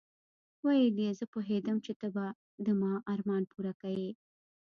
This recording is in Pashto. ويې ويل زه پوهېدم چې ته به د ما ارمان پوره کيې.